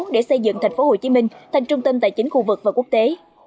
để xây dựng thành phố hồ chí minh thành trung tâm tài chính khu vực và quốc tế